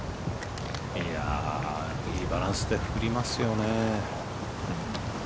いいバランスで振りますよね。